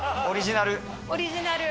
オリジナル。